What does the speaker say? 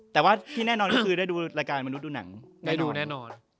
แต่ว่าที่แน่นอนก็คือได้ดูรายการมนุษย์ดูหนังได้ดูแน่นอน